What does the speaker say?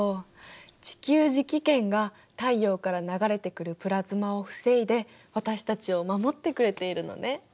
地球磁気圏が太陽から流れてくるプラズマを防いで私たちを守ってくれているのね。